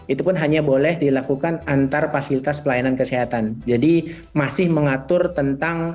itu pun hanya boleh dilakukan antar fasilitas pelayanan kesehatan jadi masih mengatur tentang